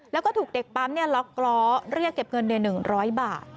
แล้วก็ถูกเด็กปั๊มล็อกล้อเรียกเก็บเงิน๑๐๐บาท